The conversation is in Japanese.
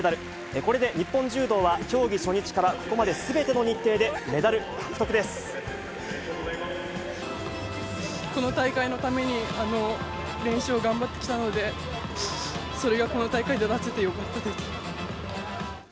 これで日本柔道は競技初日からここまですべての日程でメダル獲得この大会のために、練習を頑張ってきたので、それがこの大会で出せてよかったです。